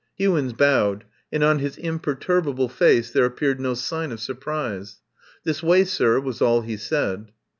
Hewins bowed, and on his imperturbable face there appeared no sign of surprise. "This way, sir," was all he said.